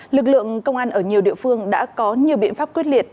lực lượng công an ở nhiều địa phương đã có nhiều biện pháp quyết liệt